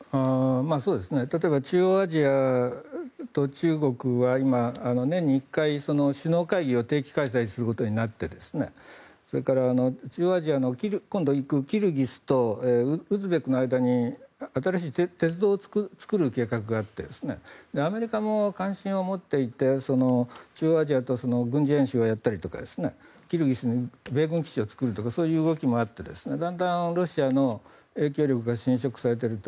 例えば中央アジアと中国は今、年に１回、首脳会議を定期開催することになってそれから中央アジアの今度行くキルギスとウズベクの間に新しい鉄道を作る計画があってアメリカも関心を持っていて中央アジアと軍事演習をやったりキルギスに米軍基地を作ることもあってだんだんロシアの影響力が侵食されていると。